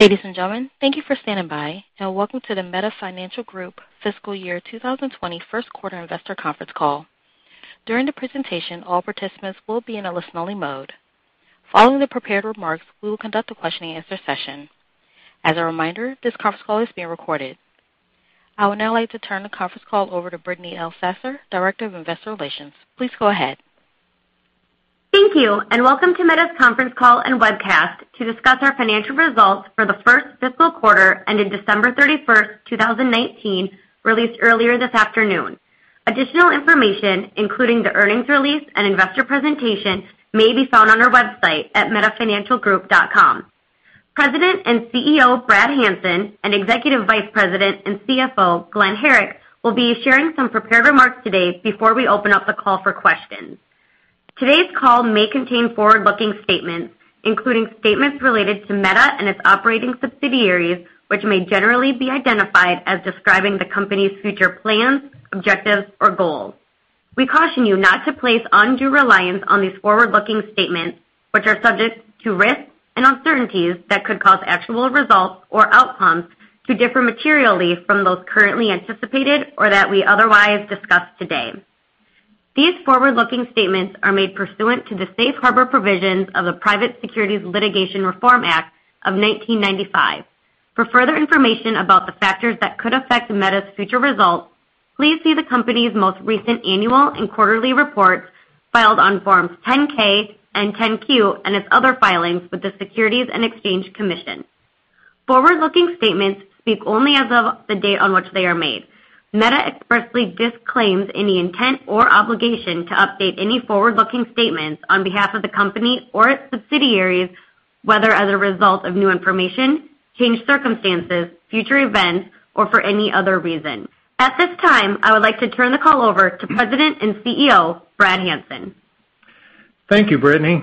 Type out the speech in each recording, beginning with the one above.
Ladies and gentlemen, thank you for standing by and welcome to the Meta Financial Group fiscal year 2020 first quarter investor conference call. During the presentation, all participants will be in a listen-only mode. Following the prepared remarks, we will conduct a question-and-answer session. As a reminder, this conference call is being recorded. I would now like to turn the conference call over to Brittany Elsasser, Director of Investor Relations. Please go ahead. Thank you. Welcome to Meta's conference call and webcast to discuss our financial results for the first fiscal quarter ending December 31st, 2019, released earlier this afternoon. Additional information, including the earnings release and investor presentation, may be found on our website at metafinancialgroup.com. President and CEO, Brad Hanson, and Executive Vice President and CFO, Glen Herrick, will be sharing some prepared remarks today before we open up the call for questions. Today's call may contain forward-looking statements, including statements related to Meta and its operating subsidiaries, which may generally be identified as describing the company's future plans, objectives, or goals. We caution you not to place undue reliance on these forward-looking statements, which are subject to risks and uncertainties that could cause actual results or outcomes to differ materially from those currently anticipated or that we otherwise discuss today. These forward-looking statements are made pursuant to the safe harbor provisions of the Private Securities Litigation Reform Act of 1995. For further information about the factors that could affect Meta's future results, please see the company's most recent annual and quarterly reports filed on Forms 10-K and 10-Q and its other filings with the Securities and Exchange Commission. Forward-looking statements speak only as of the date on which they are made. Meta expressly disclaims any intent or obligation to update any forward-looking statements on behalf of the company or its subsidiaries, whether as a result of new information, changed circumstances, future events, or for any other reason. At this time, I would like to turn the call over to President and CEO, Brad Hanson. Thank you, Brittany.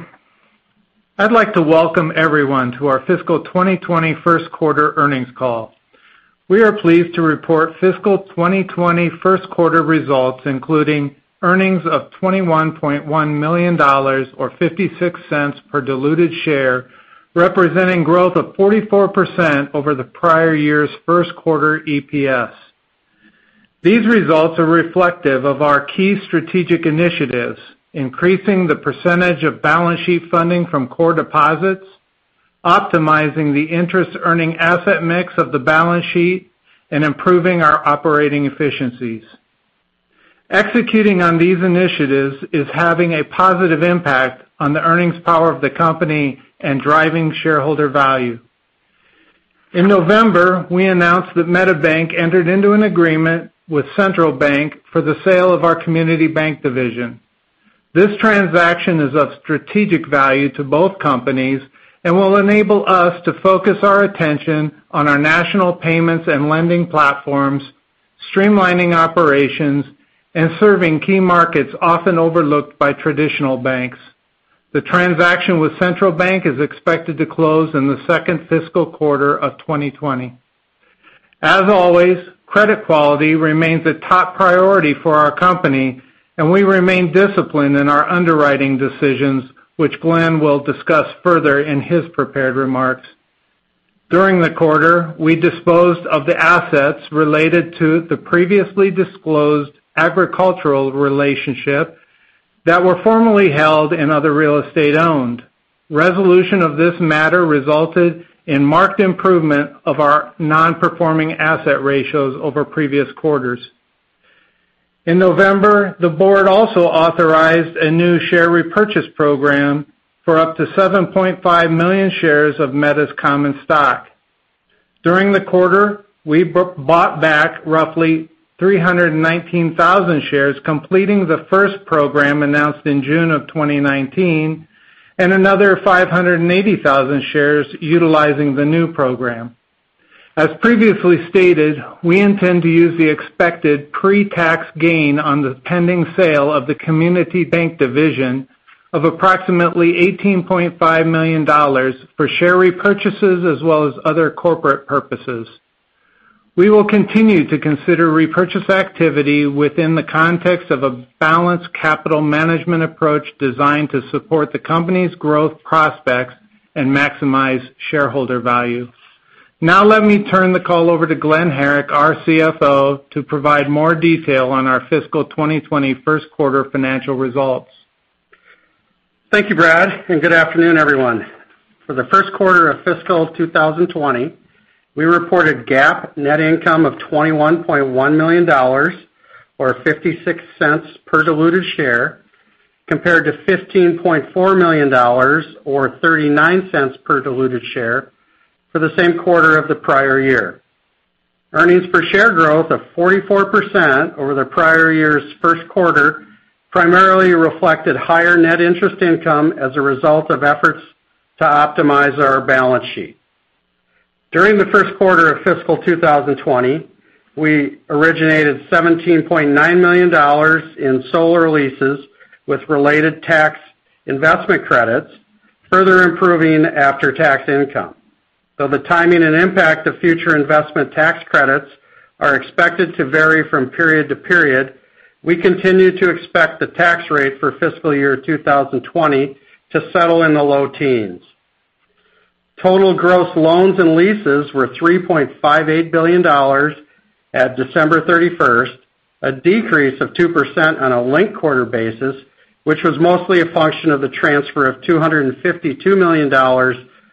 I'd like to welcome everyone to our fiscal 2020 first quarter earnings call. We are pleased to report fiscal 2020 first quarter results, including earnings of $21.1 million, or $0.56 per diluted share, representing growth of 44% over the prior year's first quarter EPS. These results are reflective of our key strategic initiatives, increasing the percentage of balance sheet funding from core deposits, optimizing the interest earning asset mix of the balance sheet, and improving our operating efficiencies. Executing on these initiatives is having a positive impact on the earnings power of the company and driving shareholder value. In November, we announced that MetaBank entered into an agreement with Central Bank for the sale of our community bank division. This transaction is of strategic value to both companies and will enable us to focus our attention on our national payments and lending platforms, streamlining operations, and serving key markets often overlooked by traditional banks. The transaction with Central Bank is expected to close in the second fiscal quarter of 2020. As always, credit quality remains a top priority for our company, and we remain disciplined in our underwriting decisions, which Glen will discuss further in his prepared remarks. During the quarter, we disposed of the assets related to the previously disclosed agricultural relationship that were formerly held in other real estate owned. Resolution of this matter resulted in marked improvement of our non-performing asset ratios over previous quarters. In November, the board also authorized a new share repurchase program for up to 7.5 million shares of Meta's common stock. During the quarter, we bought back roughly 319,000 shares, completing the first program announced in June of 2019, and another 580,000 shares utilizing the new program. As previously stated, we intend to use the expected pre-tax gain on the pending sale of the community bank division of approximately $18.5 million for share repurchases as well as other corporate purposes. We will continue to consider repurchase activity within the context of a balanced capital management approach designed to support the company's growth prospects and maximize shareholder value. Now let me turn the call over to Glen Herrick, our CFO, to provide more detail on our fiscal 2020 first quarter financial results. Thank you, Brad, and good afternoon, everyone. For the first quarter of fiscal 2020, we reported GAAP net income of $21.1 million, or $0.56 per diluted share, compared to $15.4 million, or $0.39 per diluted share, for the same quarter of the prior year. Earnings per share growth of 44% over the prior year's first quarter primarily reflected higher net interest income as a result of efforts to optimize our balance sheet. During the first quarter of fiscal 2020, we originated $17.9 million in solar leases with related tax investment credits, further improving after-tax income. Though the timing and impact of future investment tax credits are expected to vary from period to period. We continue to expect the tax rate for fiscal year 2020 to settle in the low teens. Total gross loans and leases were $3.58 billion at December 31st, 2019, a decrease of 2% on a linked-quarter basis, which was mostly a function of the transfer of $252 million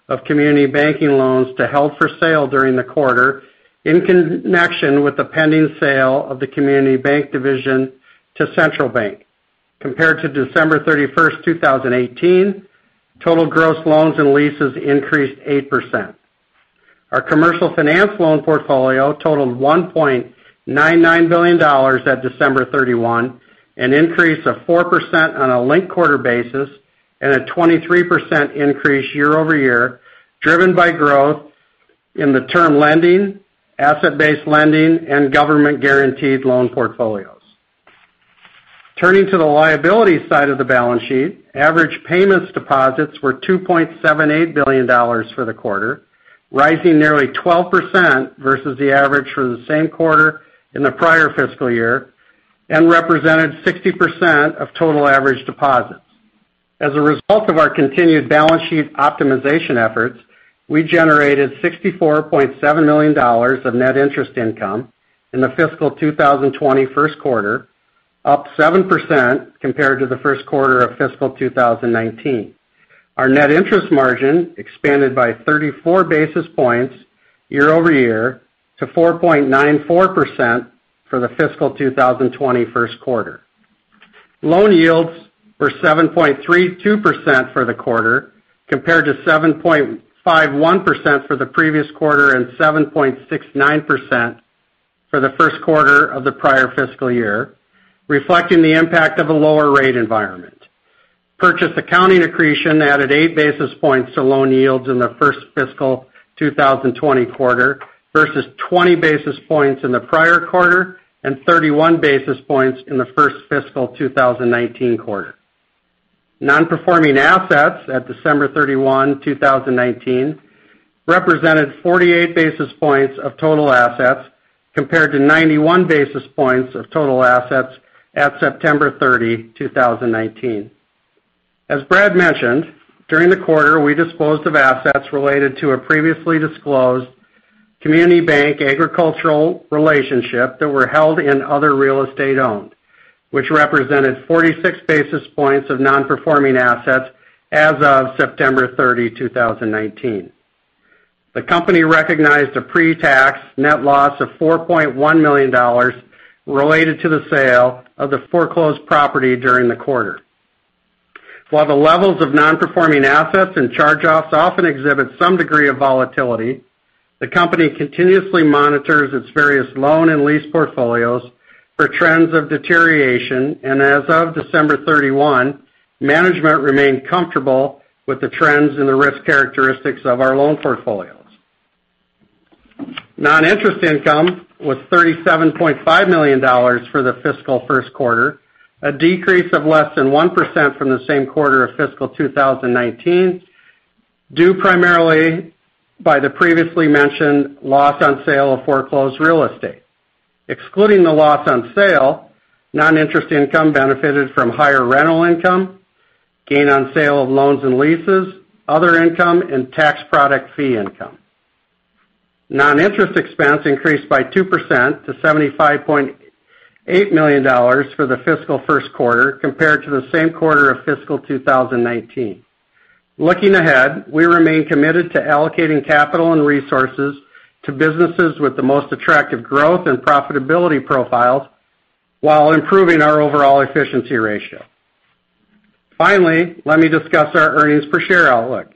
of community banking loans to held for sale during the quarter in connection with the pending sale of the community bank division to Central Bank. Compared to December 31st, 2018, total gross loans and leases increased 8%. Our Commercial Finance loan portfolio totaled $1.99 billion at December 31, 2019, an increase of 4% on a linked-quarter basis and a 23% increase year-over-year, driven by growth in the term lending, asset-based lending, and government-guaranteed loan portfolios. Turning to the liability side of the balance sheet, average payments deposits were $2.78 billion for the quarter, rising nearly 12% versus the average for the same quarter in the prior fiscal year and represented 60% of total average deposits. As a result of our continued balance sheet optimization efforts, we generated $64.7 million of net interest income in the fiscal 2020 first quarter, up 7% compared to the first quarter of fiscal 2019. Our net interest margin expanded by 34 basis points year-over-year to 4.94% for the fiscal 2020 first quarter. Loan yields were 7.32% for the quarter, compared to 7.51% for the previous quarter and 7.69% for the first quarter of the prior fiscal year, reflecting the impact of a lower rate environment. Purchase accounting accretion added 8 basis points to loan yields in the first fiscal 2020 quarter versus 20 basis points in the prior quarter and 31 basis points in the first fiscal 2019 quarter. Non-performing assets at December 31, 2019, represented 48 basis points of total assets, compared to 91 basis points of total assets at September 30, 2019. As Brad mentioned, during the quarter, we disposed of assets related to a previously disclosed community bank agricultural relationship that were held in other real estate owned, which represented 46 basis points of non-performing assets as of September 30, 2019. The company recognized a pre-tax net loss of $4.1 million related to the sale of the foreclosed property during the quarter. While the levels of non-performing assets and charge-offs often exhibit some degree of volatility, the company continuously monitors its various loan and lease portfolios for trends of deterioration. As of December 31, 2019, management remained comfortable with the trends and the risk characteristics of our loan portfolios. Non-interest income was $37.5 million for the fiscal first quarter, a decrease of less than 1% from the same quarter of fiscal 2019, due primarily by the previously mentioned loss on sale of foreclosed real estate. Excluding the loss on sale, non-interest income benefited from higher rental income, gain on sale of loans and leases, other income, and tax product fee income. Non-interest expense increased by 2% to $75.8 million for the fiscal first quarter, compared to the same quarter of fiscal 2019. Looking ahead, we remain committed to allocating capital and resources to businesses with the most attractive growth and profitability profiles while improving our overall efficiency ratio. Finally, let me discuss our earnings per share outlook.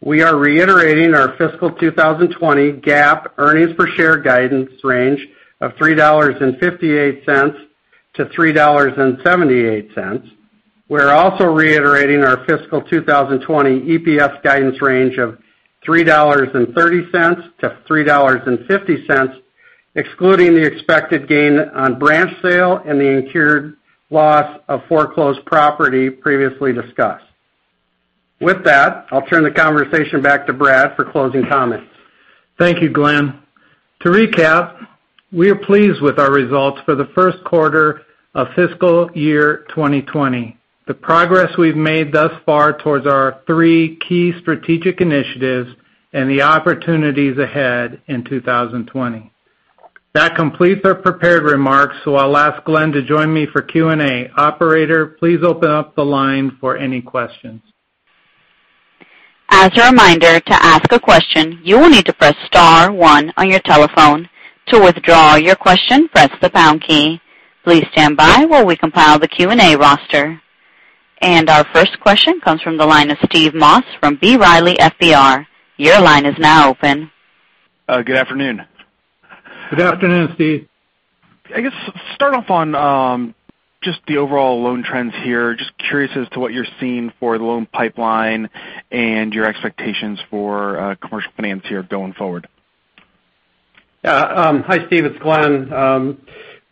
We are reiterating our fiscal 2020 GAAP earnings per share guidance range of $3.58-$3.78. We're also reiterating our fiscal 2020 EPS guidance range of $3.30-$3.50, excluding the expected gain on branch sale and the incurred loss of foreclosed property previously discussed. With that, I'll turn the conversation back to Brad for closing comments. Thank you, Glen. To recap, we are pleased with our results for the first quarter of fiscal year 2020. The progress we've made thus far towards our three key strategic initiatives and the opportunities ahead in 2020. That completes our prepared remarks. I'll ask Glen to join me for Q&A. Operator, please open up the line for any questions. As a reminder, to ask a question, you will need to press star one on your telephone. To withdraw your question, press the pound key. Please stand by while we compile the Q&A roster. Our first question comes from the line of Steve Moss from B. Riley FBR. Your line is now open. Good afternoon. Good afternoon, Steve. I guess start off on just the overall loan trends here. Just curious as to what you're seeing for the loan pipeline and your expectations for Commercial Finance here going forward? Hi, Steve. It's Glen.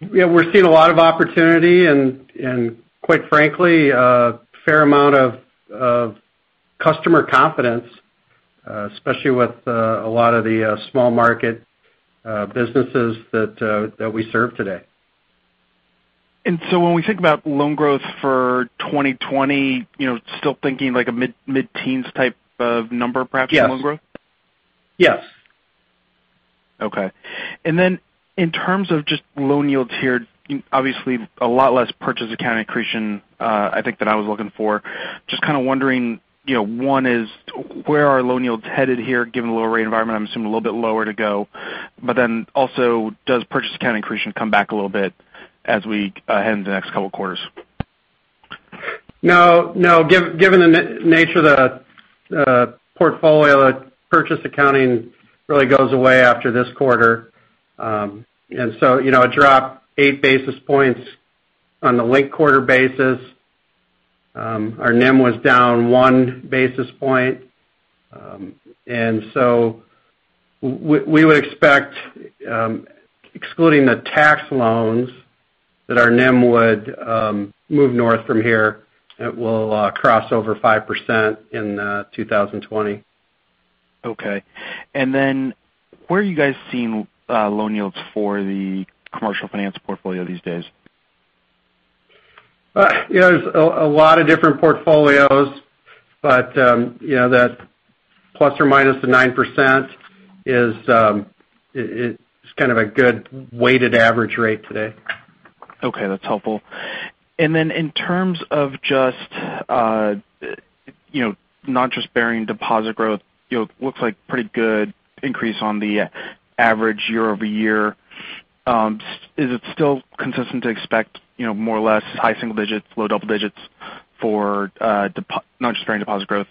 We're seeing a lot of opportunity and quite frankly, a fair amount of customer confidence, especially with a lot of the small market businesses that we serve today. When we think about loan growth for 2020, still thinking like a mid-teens type of number, perhaps. Yes. In loan growth? Yes. Okay. In terms of just loan yields here, obviously a lot less purchase accounting accretion, I think that I was looking for. Just kind of wondering, one is where are loan yields headed here, given the lower rate environment? I'm assuming a little bit lower to go, also does purchase accounting accretion come back a little bit as we head into the next couple of quarters? No. Given the nature of the portfolio, that purchase accounting really goes away after this quarter. It dropped 8 basis points on the linked quarter basis. Our NIM was down 1 basis point. We would expect, excluding the tax loans, that our NIM would move north from here. It will cross over 5% in 2020. Okay. Then where are you guys seeing loan yields for the Commercial Finance portfolio these days? There's a lot of different portfolios, but that ±9% is kind of a good weighted average rate today. Okay, that's helpful. Then in terms of just non-interest-bearing deposit growth, looks like pretty good increase on the average year-over-year. Is it still consistent to expect more or less high single digits, low double digits for non-interest-bearing deposit growth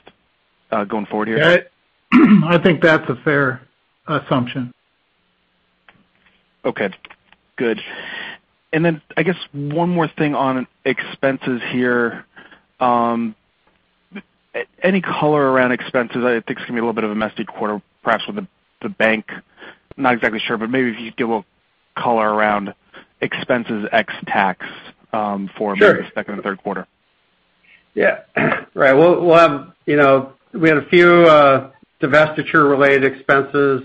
going forward here? I think that's a fair assumption. Okay, good. I guess one more thing on expenses here. Any color around expenses? I think this is going to be a little bit of a messy quarter, perhaps with the bank, not exactly sure, but maybe if you could give a color around expenses ex tax for maybe? Sure. The second and third quarter? Yeah. Right. We had a few divestiture-related expenses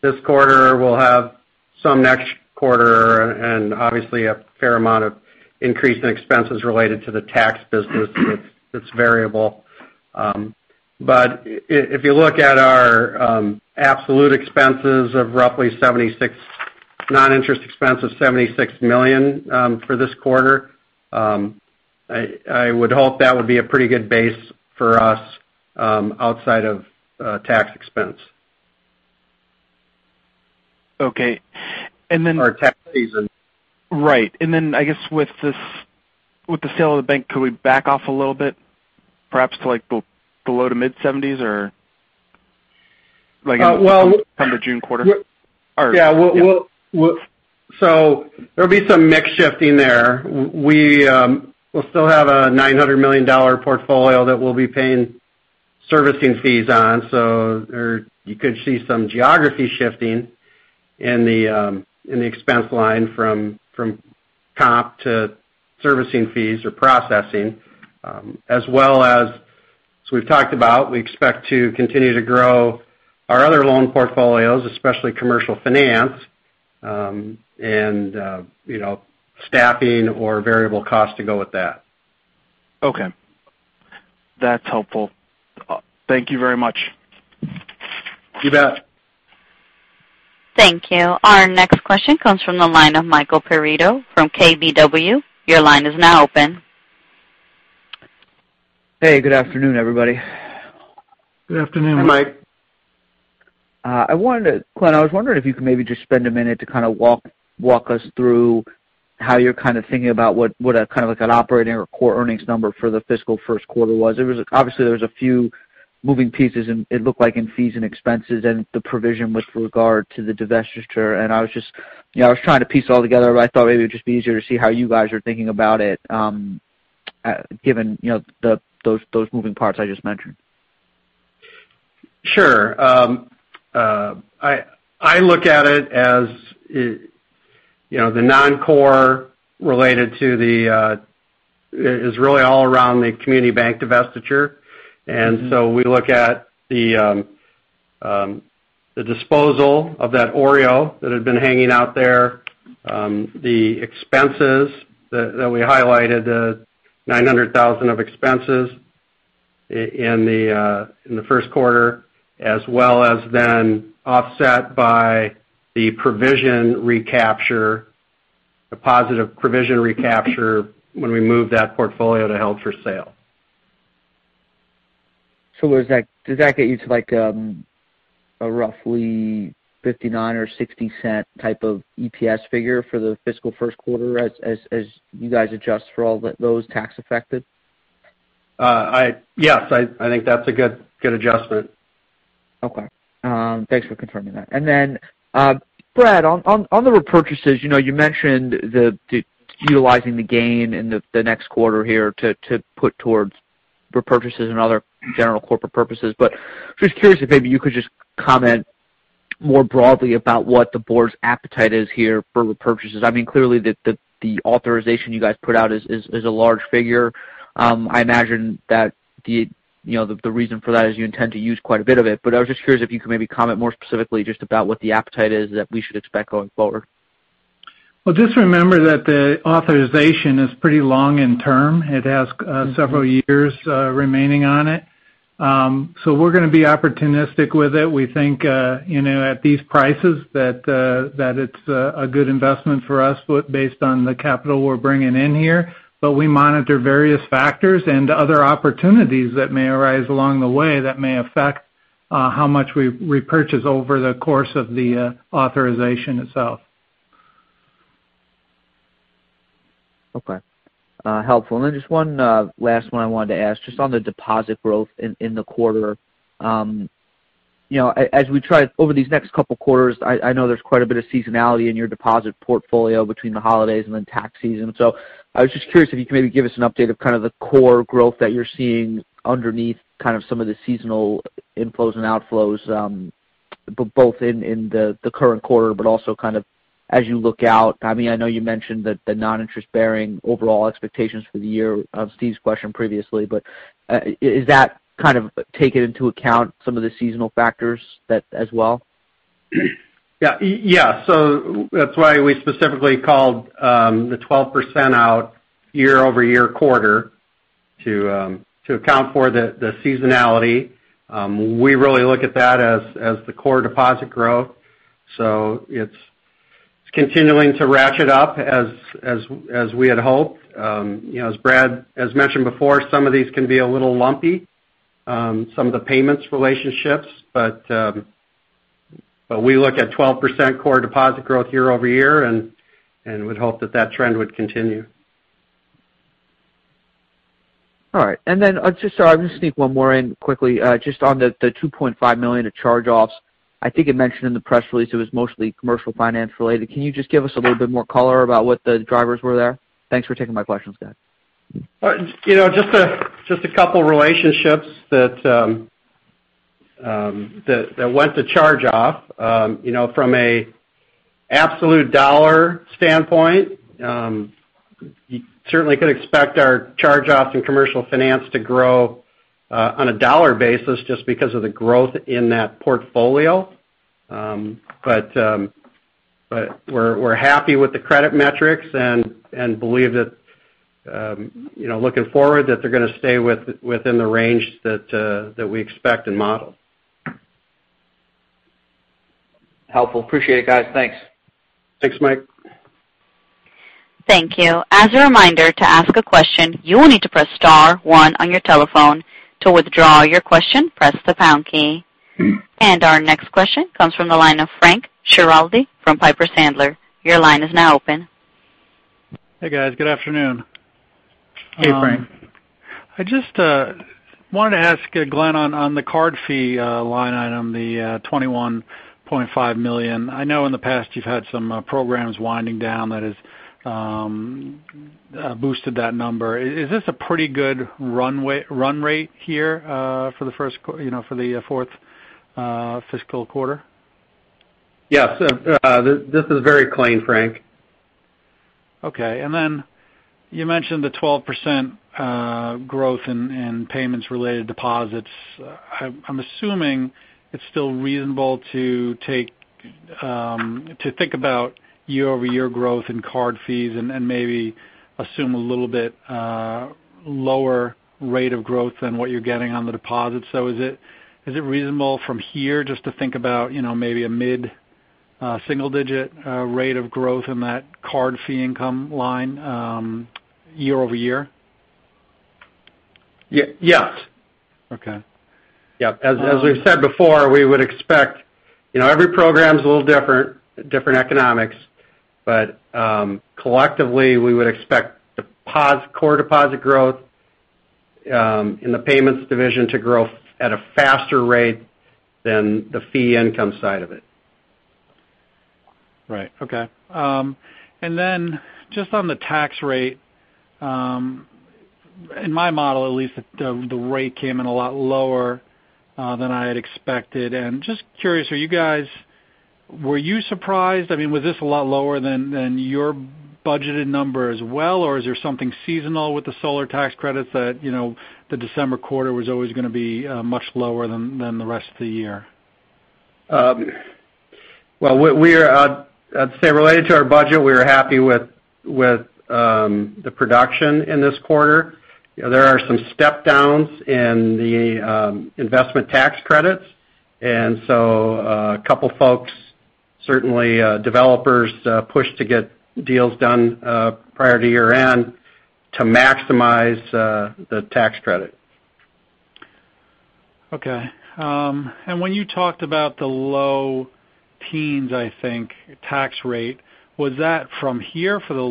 this quarter. We'll have some next quarter, and obviously a fair amount of increase in expenses related to the tax business that's variable. If you look at our absolute expenses of roughly $76 million, non-interest expense of $76 million for this quarter, I would hope that would be a pretty good base for us, outside of tax expense. Okay. Our tax season. Right. I guess with the sale of the bank, could we back off a little bit? Perhaps to like the low to mid-70s? Well. come the June quarter? Yeah. There'll be some mix shifting there. We'll still have a $900 million portfolio that we'll be paying servicing fees on. You could see some geography shifting in the expense line from comp to servicing fees or processing, as well as we've talked about, we expect to continue to grow our other loan portfolios, especially Commercial Finance, and staffing or variable cost to go with that. Okay. That's helpful. Thank you very much. You bet. Thank you. Our next question comes from the line of Michael Perito from KBW. Your line is now open. Hey, good afternoon, everybody. Good afternoon. Hey, Mike. Glen, I was wondering if you could maybe just spend a minute to kind of walk us through how you're kind of thinking about what a kind of like an operating or core earnings number for the fiscal first quarter was. Obviously, there was a few moving pieces, and it looked like in fees and expenses and the provision with regard to the divestiture, and I was trying to piece it all together, but I thought maybe it would just be easier to see how you guys are thinking about it, given those moving parts I just mentioned. Sure. I look at it as the non-core related to the really all around the community bank divestiture. We look at the disposal of that OREO that had been hanging out there. The expenses that we highlighted, the $900,000 of expenses in the first quarter, as well as then offset by the provision recapture, the positive provision recapture when we moved that portfolio to held for sale. Does that get you to like, roughly $0.59 or $0.60 type of EPS figure for the fiscal first quarter as you guys adjust for all those tax affected? Yes. I think that's a good adjustment. Okay. Thanks for confirming that. Brad, on the repurchases, you mentioned utilizing the gain in the next quarter here to put towards repurchases and other general corporate purposes, just curious if maybe you could just comment more broadly about what the board's appetite is here for repurchases. Clearly, the authorization you guys put out is a large figure. I imagine that the reason for that is you intend to use quite a bit of it. I was just curious if you could maybe comment more specifically just about what the appetite is that we should expect going forward. Well, just remember that the authorization is pretty long in term. It has several years remaining on it. We're going to be opportunistic with it. We think, at these prices, that it's a good investment for us based on the capital we're bringing in here. We monitor various factors and other opportunities that may arise along the way that may affect how much we repurchase over the course of the authorization itself. Okay. Helpful. Just one last one I wanted to ask, just on the deposit growth in the quarter. Over these next couple quarters, I know there's quite a bit of seasonality in your deposit portfolio between the holidays and then tax season. I was just curious if you could maybe give us an update of kind of the core growth that you're seeing underneath kind of some of the seasonal inflows and outflows, both in the current quarter, but also kind of as you look out. I know you mentioned that the non-interest bearing overall expectations for the year of Steve's question previously, but is that kind of taken into account some of the seasonal factors as well? That's why we specifically called the 12% out year-over-year quarter to account for the seasonality. We really look at that as the core deposit growth. It's continuing to ratchet up as we had hoped. As Brad has mentioned before, some of these can be a little lumpy, some of the payments relationships. We look at 12% core deposit growth year-over-year and would hope that that trend would continue. All right. I'm sorry, I'm going to sneak one more in quickly. Just on the $2.5 million of charge-offs. I think it mentioned in the press release it was mostly Commercial Finance related. Can you just give us a little bit more color about what the drivers were there? Thanks for taking my questions, guys. Just a couple relationships that went to charge-off. From a absolute dollar standpoint, you certainly could expect our charge-offs in Commercial Finance to grow on a dollar basis just because of the growth in that portfolio. We're happy with the credit metrics and believe that, looking forward, that they're going to stay within the range that we expect and model. Helpful. Appreciate it, guys. Thanks. Thanks, Mike. Thank you. As a reminder, to ask a question, you will need to press star one on your telephone. To withdraw your question, press the pound key. Our next question comes from the line of Frank Schiraldi from Piper Sandler. Your line is now open. Hey, guys. Good afternoon. Hey, Frank. I just wanted to ask Glen on the card fee line item, the $21.5 million. I know in the past you've had some programs winding down that has boosted that number. Is this a pretty good run rate here for the fourth fiscal quarter? Yes. This is very clean, Frank. Okay. You mentioned the 12% growth in payments related deposits. I'm assuming it's still reasonable to think about year-over-year growth in card fees and maybe assume a little bit lower rate of growth than what you're getting on the deposits. Is it reasonable from here just to think about maybe a mid-single digit rate of growth in that card fee income line year-over-year? Yes. Okay. Yep. As we've said before, every program's a little different economics, but collectively, we would expect core deposit growth in the payments division to grow at a faster rate than the fee income side of it. Right. Okay. Just on the tax rate. In my model, at least, the rate came in a lot lower than I had expected. Just curious, were you surprised? Was this a lot lower than your budgeted number as well? Is there something seasonal with the solar tax credits that the December quarter was always going to be much lower than the rest of the year? Well, I'd say related to our budget, we were happy with the production in this quarter. There are some step downs in the investment tax credits. A couple folks, certainly developers, pushed to get deals done prior to year-end to maximize the tax credit. Okay. When you talked about the low teens, I think, tax rate, was that from here for the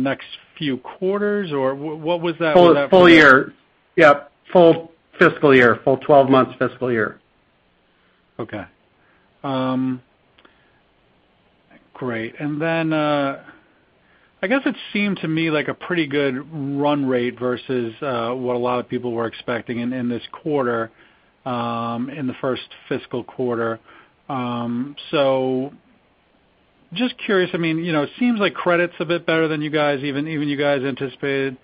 next few quarters, or what was that for? Full year. Yep. Full fiscal year. Full 12 months fiscal year. Okay. Great. I guess it seemed to me like a pretty good run rate versus what a lot of people were expecting in this quarter, in the first fiscal quarter. Just curious, it seems like credit's a bit better than even you guys anticipated.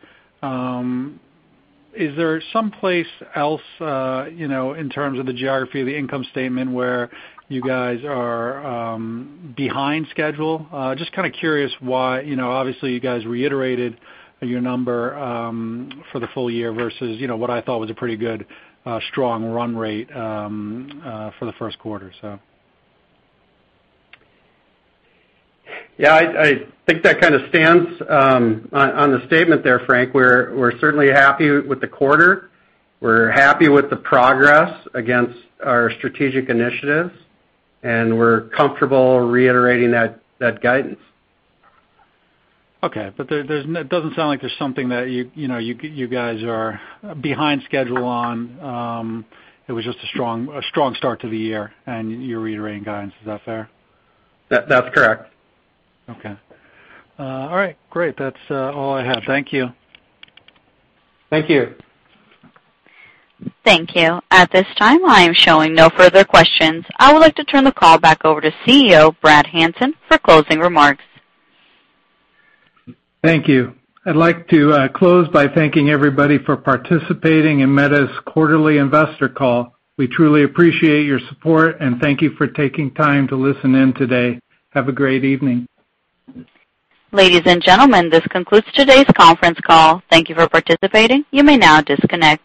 Is there some place else, in terms of the geography of the income statement where you guys are behind schedule? Just kind of curious why. Obviously, you guys reiterated your number for the full year versus what I thought was a pretty good, strong run rate for the first quarter. Yeah, I think that kind of stands on the statement there, Frank. We're certainly happy with the quarter. We're happy with the progress against our strategic initiatives, and we're comfortable reiterating that guidance. Okay. It doesn't sound like there's something that you guys are behind schedule on. It was just a strong start to the year, and you're reiterating guidance. Is that fair? That's correct. Okay. All right. Great. That's all I have. Thank you. Thank you. Thank you. At this time, I am showing no further questions. I would like to turn the call back over to CEO, Brad Hanson, for closing remarks. Thank you. I'd like to close by thanking everybody for participating in Meta's quarterly investor call. We truly appreciate your support and thank you for taking time to listen in today. Have a great evening. Ladies and gentlemen, this concludes today's conference call. Thank you for participating. You may now disconnect.